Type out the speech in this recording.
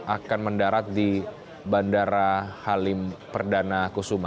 akan mendarat di bandara halim perdana kusuma